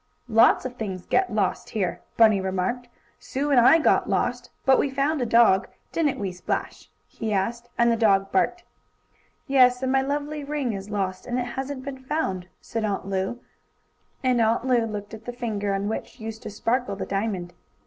"Lots of things get lost here," Bunny remarked. "Sue and I got lost, but we found a dog; didn't we, Splash?" he asked, and the dog barked. "Yes, and my lovely ring is lost, and it hasn't been found," and Aunt Lu looked at the finger on which used to sparkle the diamond.